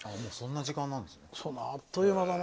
あっという間だな。